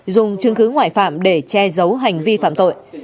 dùng chứng cứ ngoại phạm để che giấu hành vi phạm tội